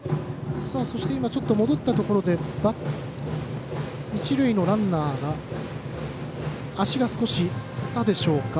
そして今、戻ったところで一塁のランナーが足が少しつったでしょうか。